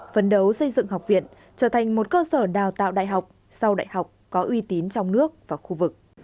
phấn đấu xây dựng học viện trở thành một cơ sở đào tạo đại học sau đại học có uy tín trong nước và khu vực